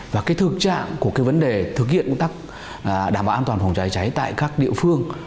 và cái thực trạng của cái vấn đề thực hiện công tác đảm bảo an toàn phòng cháy cháy tại các địa phương